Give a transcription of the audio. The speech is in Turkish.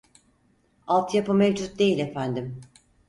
Alt yapı mevcut değil efendim